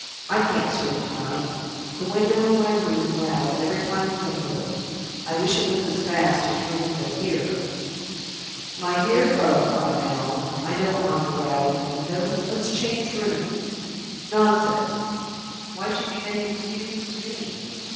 I can't sleep to night. The window in my room rattles every time the wind blows. I wish it was as fast as your window here." "My dear fellow!" cried Allan, "I don't mind a rattling window. Let's change rooms. Nonsense! Why should you make excuses to me?